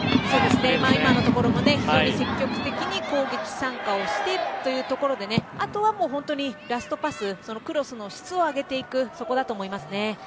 今のところも積極的に攻撃参加をしてというところであとは本当にラストパスクロスの質を上げていくそこだと思いますね。